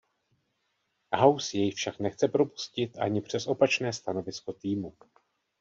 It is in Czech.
House jej však nechce propustit ani přes opačné stanovisko týmu.